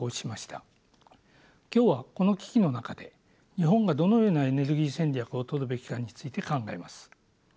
今日はこの危機の中で日本がどのようなエネルギー戦略をとるべきかについて考えます。